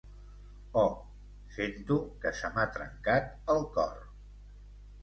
"Oh, sento que se m'ha trencat el cor."